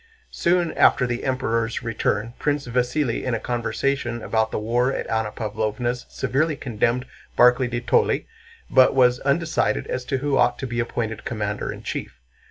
Soon after the Emperor's return Prince Vasíli in a conversation about the war at Anna Pávlovna's severely condemned Barclay de Tolly, but was undecided as to who ought to be appointed commander in chief.